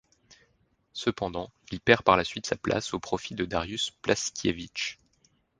Cependant, il perd par la suite sa place au profit de Dariusz Płaczkiewicz.